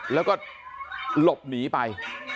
แล้วก็หลบหนีไป